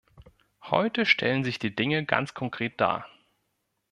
Heute stellen sich die Dinge ganz konkret dar.